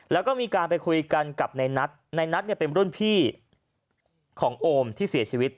แล้วก็มีการไปคุยกันกับในนัทในนัทเนี่ยเป็นรุ่นพี่ของโอมที่เสียชีวิต